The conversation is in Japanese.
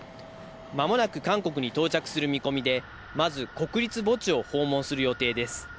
間もなく韓国に到着する見込みで、まず国立墓地を訪問する予定です。